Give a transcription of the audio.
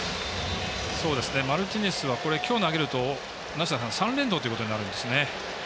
マルティネスは今日投げると梨田さん、３連投ということになるんですね。